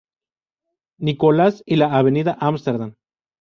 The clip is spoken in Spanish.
Nicholas y la Avenida Amsterdam.